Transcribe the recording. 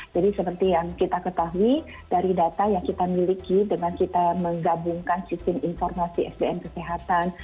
seperti yang kita ketahui dari data yang kita miliki dengan kita menggabungkan sistem informasi sdm kesehatan